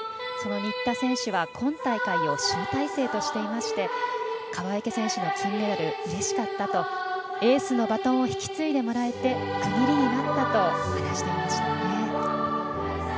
その新田選手は今大会を集大成としていまして川除選手の金メダルうれしかったとエースのバトンを引き継いでもらえて区切りになったと話していました。